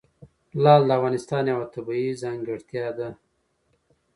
لعل د افغانستان یوه طبیعي ځانګړتیا ده.